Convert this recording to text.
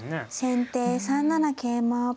先手３七桂馬。